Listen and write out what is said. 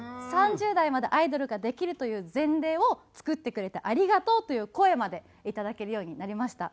「３０代までアイドルができるという前例を作ってくれてありがとう」という声までいただけるようになりました。